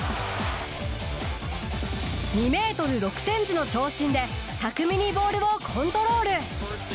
２メートル６センチの長身で巧みにボールをコントロール。